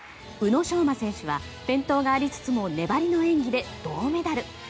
宇野昌磨選手は転倒がありつつも粘りの演技で銅メダル。